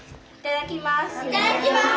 いただきます。